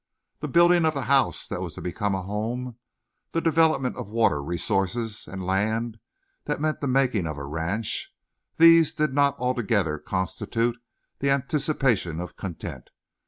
The building of the house that was to become a home, the development of water resources and land that meant the making of a ranch—these did not altogether constitute the anticipation of content.